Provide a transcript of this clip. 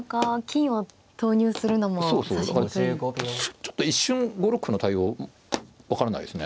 ちょっと一瞬５六歩の対応分からないですね。